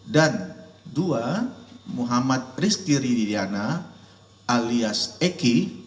dan dua muhammad rizki ridiana alias eki